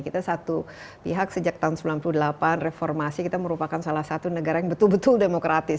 kita satu pihak sejak tahun seribu sembilan ratus sembilan puluh delapan reformasi kita merupakan salah satu negara yang betul betul demokratis